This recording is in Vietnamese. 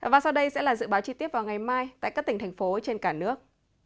và sau đây sẽ là dự báo chi tiết vào ngày mai tại các tỉnh thành phố trên cả nước